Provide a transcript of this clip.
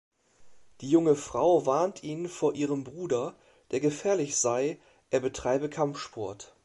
Die junge Frau warnt ihn vor ihrem Bruder, der gefährlich sei, er betreibe Kampfsport.